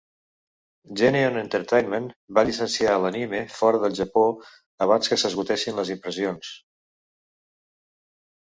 Geneon Entertainment va llicenciar l'anime fora del Japó abans que s'esgotessin les impressions.